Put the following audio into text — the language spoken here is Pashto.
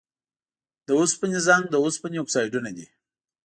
د اوسپنې زنګ د اوسپنې اکسایدونه دي.